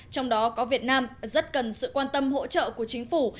trong đó có việt nam rất cần sự quan tâm hỗ trợ của chính phủ